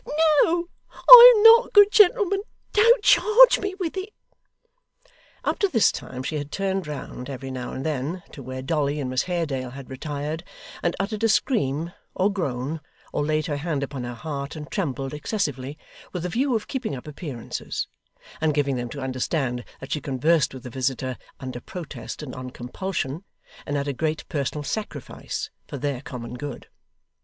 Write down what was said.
'No, I am not, good gentleman. Don't charge me with it.' Up to this time she had turned round, every now and then, to where Dolly and Miss Haredale had retired and uttered a scream, or groan, or laid her hand upon her heart and trembled excessively, with a view of keeping up appearances, and giving them to understand that she conversed with the visitor, under protest and on compulsion, and at a great personal sacrifice, for their common good.